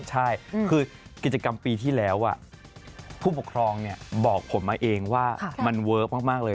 ใช่คือกิจกรรมปีที่แล้วผู้ปกครองบอกผมมาเองว่ามันเวิร์คมากเลย